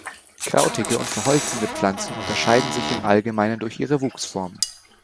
Krautige und verholzende Pflanzen unterscheiden sich im Allgemeinen durch ihre Wuchsform.